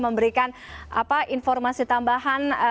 memberikan informasi tambahan